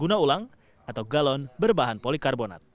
guna ulang atau galon berbahan polikarbonat